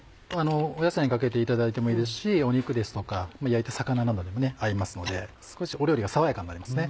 野菜にかけていただいてもいいですし肉ですとか焼いた魚などにも合いますので少し料理が爽やかになりますね。